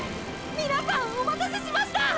皆さんおまたせしました！！